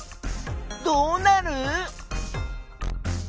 どうなる？